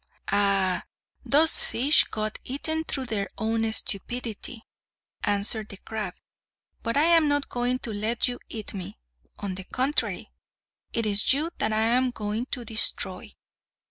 "Ah! those fishes got eaten through their own stupidity," answered the crab; "but I'm not going to let you eat me. On the contrary, is it you that I am going to destroy.